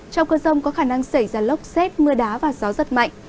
trong cơn rông có khả năng xảy ra lốc xét mưa đá và gió rất mạnh